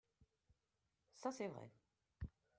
Ça, c’est vrai.